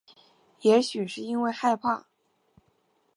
也许是因为害怕